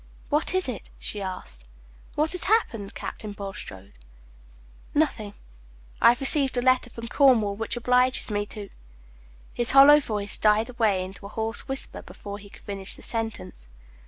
"What is it?" she asked; "what has happened, Captain Bulstrode?" "Nothing; I have received a letter from Cornwall which obliges me to " His hollow voice died away into a hoarse whisper before he could finish the sentence.